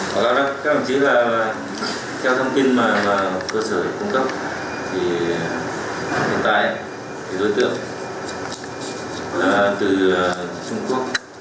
có các đồng chí là theo thông tin mà cơ sở cung cấp thì hiện tại thì đối tượng là từ trung quốc